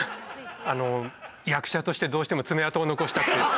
あの役者としてどうしても爪痕を残したくて。